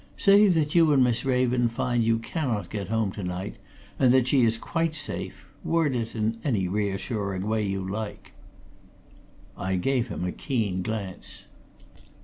Say that you and Miss Raven find you cannot get home tonight, and that she is quite safe word it in any reassuring way you like." I gave him a keen glance.